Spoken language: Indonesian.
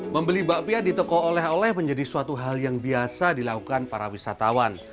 membeli bakpia di toko oleh oleh menjadi suatu hal yang biasa dilakukan para wisatawan